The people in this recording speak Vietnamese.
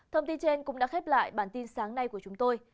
thông tin trên cũng đã khép lại bản tin sáng nay của chúng tôi